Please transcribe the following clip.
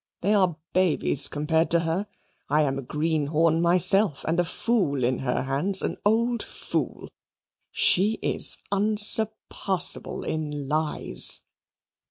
They are babies compared to her. I am a greenhorn myself, and a fool in her hands an old fool. She is unsurpassable in lies."